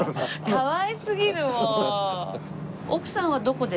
かわいすぎるもう。